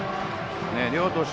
両投手